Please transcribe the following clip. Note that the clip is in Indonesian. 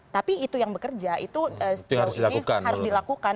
tapi itu yang bekerja itu harus dilakukan